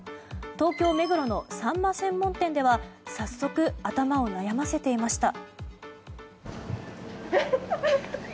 東京・目黒のサンマ専門店では早速、頭を悩ませていました。